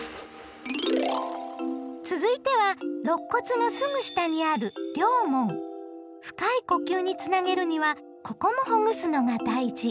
続いてはろっ骨のすぐ下にある深い呼吸につなげるにはここもほぐすのが大事！